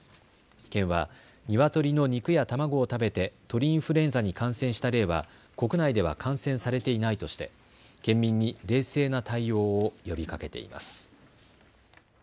県はニワトリの肉や卵を食べて鳥インフルエンザに感染した例は国内では感染されていないとして県民に冷静な対応を呼びかけています。